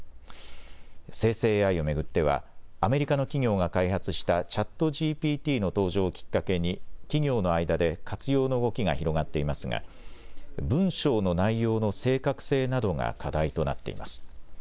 生成ＡＩを巡ってはアメリカの企業が開発したＣｈａｔＧＰＴの登場をきっかけに企業の間で活用の動きが広がっていますが文章の内容の正確性などが課題となっています。